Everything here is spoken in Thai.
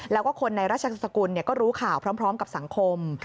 แล้วก็คนในราชสกุลก็รู้ข่าวพร้อมกับสังคม